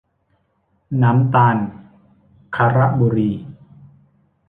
น้ำตาลครบุรี